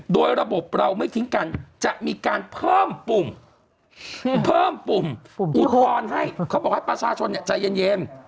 โดยระบบเราไม่ทิ้งกันจะมีการเพิ่มปุ่มเพิ่มปุ่มอุทธรณ์ให้เขาบอกให้ประชาชนใจเย็น